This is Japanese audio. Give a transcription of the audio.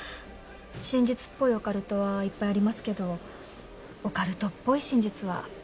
真実っぽいオカルトはいっぱいありますけどオカルトっぽい真実は見た事がありません。